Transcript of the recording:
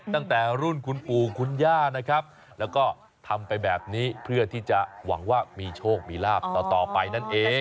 ตั้งแต่รุ่นคุณปู่คุณย่านะครับแล้วก็ทำไปแบบนี้เพื่อที่จะหวังว่ามีโชคมีลาบต่อไปนั่นเอง